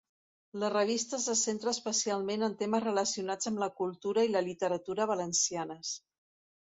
La revista se centra especialment en temes relacionats amb la cultura i la literatura valencianes.